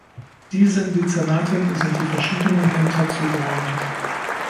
Diesen Dezernaten sind die verschiedenen Ämter zugeordnet.